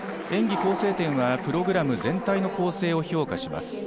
演技構成点はプログラム全体の構成を評価します。